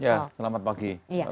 ya selamat pagi